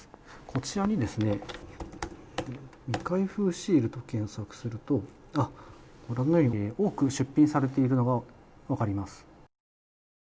こちらにですね、未開封シールと検索すると御覧のように多く出品されているのが分かります。